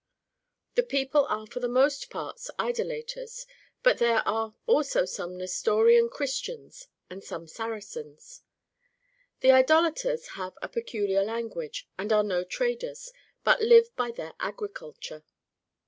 ^ The people are for the most part Idolaters, but there are also some Nestorian Christians and some Saracens. The Idolaters have a peculiar language, and are no traders, but live by their agriculture.